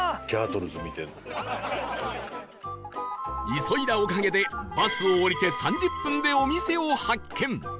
急いだおかげでバスを降りて３０分でお店を発見